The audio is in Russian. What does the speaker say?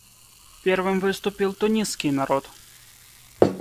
Первым выступил тунисский народ.